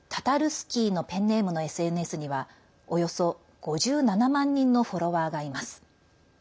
スキーのペンネームのＳＮＳにはおよそ５７万人のフォロワーがいます。